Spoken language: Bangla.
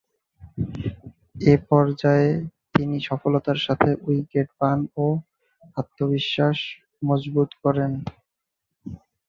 এ পর্যায়ে তিনি সফলতার সাথে উইকেট পান ও আত্মবিশ্বাস মজবুত করেন।